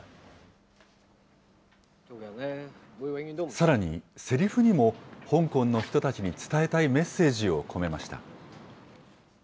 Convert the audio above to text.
さらに、セリフにも香港の人たちに伝えたいメッセージを込めました。